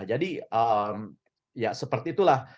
jadi ya seperti itulah